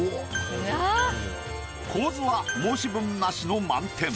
構図は申し分なしの満点。